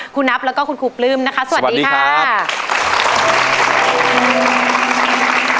คุณนับแล้วก็คุณครูปลื้มนะคะสวัสดีค่ะสวัสดีครับ